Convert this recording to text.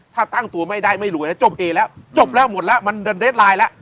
ถ้าตั้งตัวไม่ได้ไม่รวยแล้วจบเอแล้วจบแล้วหมดแล้วมันเดินเดสไลน์แล้ว